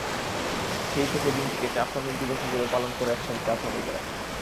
সেই থেকে দিনটিকে চা শ্রমিক দিবস হিসেবে পালন করে আসছেন চা শ্রমিকেরা।